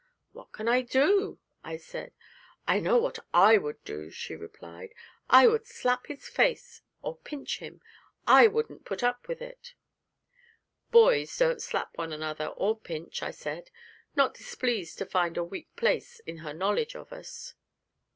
'What can I do?' I said. 'I know what I would do,' she replied. 'I would slap his face, or pinch him. I wouldn't put up with it!' 'Boys don't slap one another, or pinch,' I said, not displeased to find a weak place in her knowledge of us.